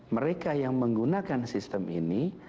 mereka yang menggunakan sistem ini